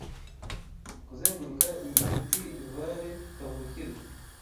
Kuzenguruka iyi nshuti Vale, kavukire